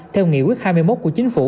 theo nghị quyết hai mươi một của chính phủ